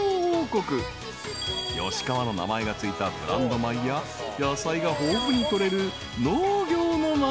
［吉川の名前が付いたブランド米や野菜が豊富に取れる農業の町］